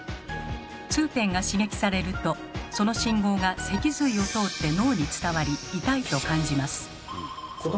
痛点が刺激されるとその信号が脊髄を通って脳に伝わり「痛い」と感じます。